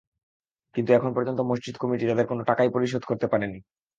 কিন্তু এখন পর্যন্ত মসজিদ কমিটি তাঁদের কোনো টাকাই পরিশোধ করতে পারেনি।